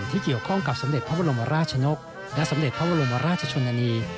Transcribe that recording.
ที่เกี่ยวข้องกับสมเด็จพระบรมราชนกและสมเด็จพระบรมราชชนนานี